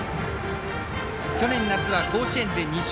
去年夏は甲子園で２勝。